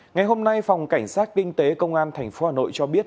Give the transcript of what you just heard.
ngày hôm nay phòng cảnh sát kinh tế công an tp hà nội cho biết